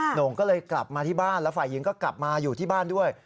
โหน่งก็เลยกลับมาที่บ้านแล้วฝ่ายหญิงก็กลับมาอยู่ที่บ้านด้วย